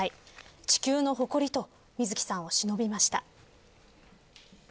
地球の誇りと水木さんをしのびました。